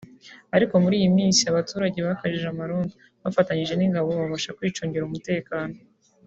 Ariko muri iyi minsi abaturage bakajije amarondo bafatanyije n’ingabo babasha kwicungira umutekano